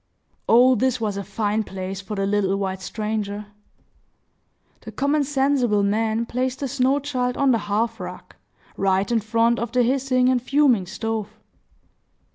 Oh, this was a fine place for the little white stranger! The common sensible man placed the snow child on the hearth rug, right in front of the hissing and fuming stove.